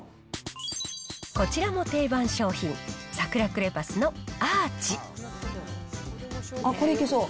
こちらも定番商品、あっ、これいけそう。